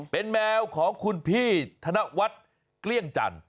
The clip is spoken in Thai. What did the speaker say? เป็นแมวของคุณพี่ธนวัฒน์เกลี้ยงจันทร์